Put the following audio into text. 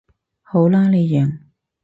好啦你贏